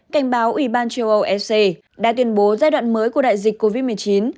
cảnh báo ủy ban châu âu ec đã tuyên bố giai đoạn mới của đại dịch covid một mươi chín